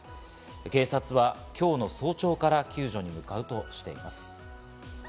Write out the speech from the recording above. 警察は今日の早朝から救助に向かうとしています。